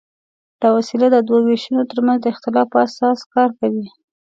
دا وسیله د دوو وېشونو تر منځ د اختلاف په اساس کار کوي.